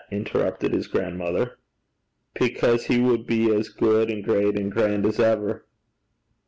interrupted his grandmother. 'Because he wad be as gude and great and grand as ever.'